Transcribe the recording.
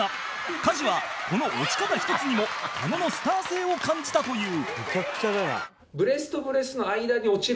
加地はこの落ち方ひとつにも狩野のスター性を感じたという